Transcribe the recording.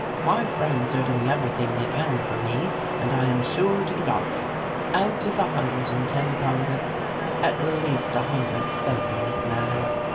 My friends are doing every thing they can for me; and I am sure to get off.'—Out of a hundred and ten convicts, at least a hundred spoke in this manner.